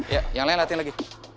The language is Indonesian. ya yang lain latihan lagi